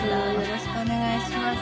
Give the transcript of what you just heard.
よろしくお願いします。